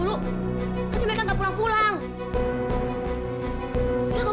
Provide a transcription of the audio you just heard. sampai dalam pagi